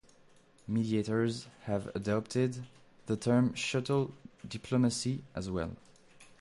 Mediators have adopted the term "shuttle diplomacy" as well.